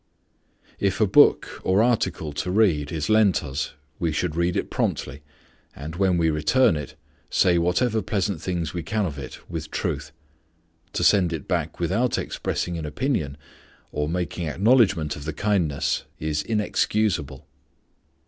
If a book or article to read is lent us, we should read it promptly, and when we return it say whatever pleasant things we can of it with truth. To send it back without expressing an opinion, or making acknowledgment of the kindness, is inexcusable.